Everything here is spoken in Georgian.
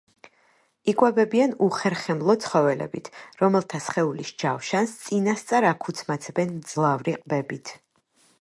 იკვებებიან უხერხემლო ცხოველებით, რომელთა სხეულის ჯავშანს წინასწარ აქუცმაცებენ მძლავრი ყბებით.